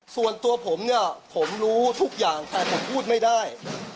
ส่วนตัวผมเนี่ยผมรู้ทุกอย่างแต่ผมพูดไม่ได้